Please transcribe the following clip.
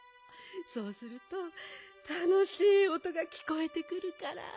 そうするとたのしいおとがきこえてくるから。